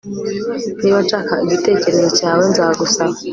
Niba nshaka igitekerezo cyawe nzagusaba